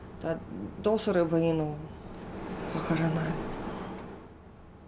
どうすればいいの、分からない。